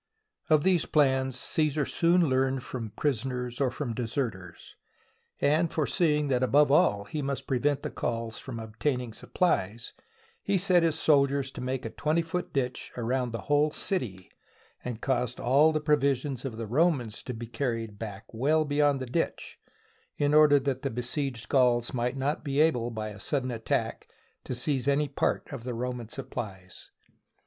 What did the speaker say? Of these plans Caesar soon learned, from pris oners or from deserters, and foreseeing that, above all, he must prevent the Gauls from obtaining supplies, he set his soldiers to make a twenty foot ditch around the whole city and caused all the pro visions of the Romans to be carried back well be yond the ditch, in order that the besieged Gauls might not be able by a sudden attack to seize any part of the Roman supplies.